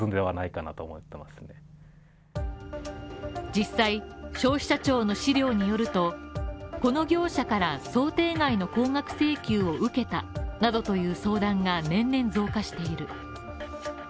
実際、消費者庁の資料によると、この業者から想定外の高額請求を受けたなどという相談が年々増加している。